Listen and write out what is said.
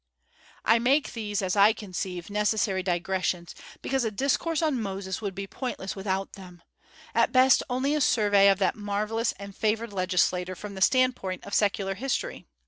I make these, as I conceive, necessary digressions, because a discourse on Moses would be pointless without them; at best only a survey of that marvellous and favored legislator from the standpoint of secular history.